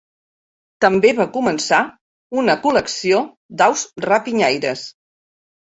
També va començar una col·lecció d"aus rapinyaires.